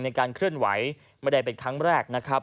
ในการเคลื่อนไหวไม่ได้เป็นครั้งแรกนะครับ